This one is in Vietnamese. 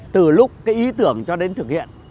từ lúc cái ý tưởng cho đến thực hiện